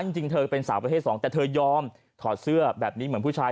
จริงเธอเป็นสาวประเภทสองแต่เธอยอมถอดเสื้อแบบนี้เหมือนผู้ชาย